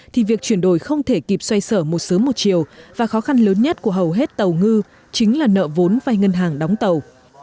thì việc chuyển đổi không thể kịp xoay sở một sớm một chiều và khó khăn lớn nhất của hầu hết tàu ngư chính là nợ vốn vai ngân hàng đóng tàu